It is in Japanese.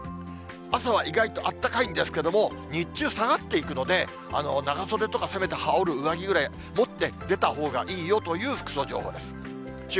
朝は意外とあったかいんですけれども、日中、下がっていくので、長袖とか、せめて羽織る上着ぐらい持って出たほうがいいよという服装情報です。